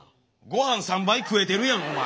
ごはん３杯食えてるやんお前。